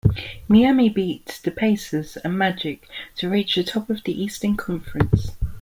Miami beat the Pacers and Magic to reach the top of the Eastern Conference.